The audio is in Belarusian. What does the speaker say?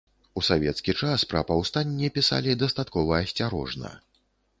У савецкі час пра паўстанне пісалі дастаткова асцярожна.